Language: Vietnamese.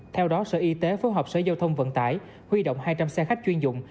theo đó sở y tế phối hợp sở giao thông vận tải huy động hai trăm linh xe khách chuyên dụng